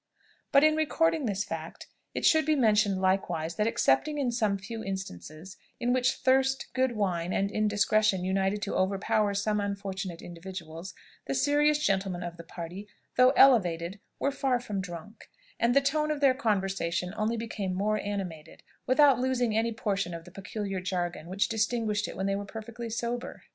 But, in recording this fact, it should be mentioned likewise, that, excepting in some few instances in which thirst, good wine, and indiscretion united to overpower some unfortunate individuals, the serious gentlemen of the party, though elevated, were far from drunk; and the tone of their conversation only became more animated, without losing any portion of the peculiar jargon which distinguished it when they were perfectly sober.